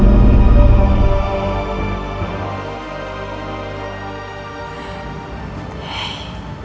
kita celerin kita buat aja